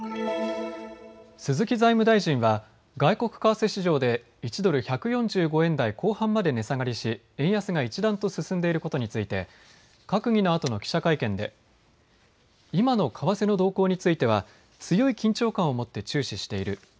鈴木財務大臣は外国為替市場で１ドル１４５円台後半まで値下がりし円安が一段と進んでいることについて閣議のあとの記者会見で今の為替の動向については強い緊張感を持って注視している。